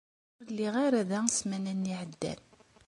Ur lliɣ ara da ssmana-nni iɛeddan.